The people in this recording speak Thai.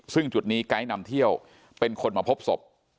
ซึ่งจุดนี้ไกด์นำเที่ยวเป็นคนมาพบศพ